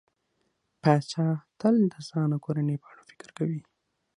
پاچا تل د ځان او کورنۍ په اړه فکر کوي.